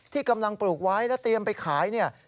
ที่กำลังปลูกไว้และเตรียมไปขายเนี่ย